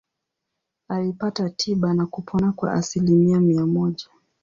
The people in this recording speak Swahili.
Alipata tiba na kupona kwa asilimia mia moja.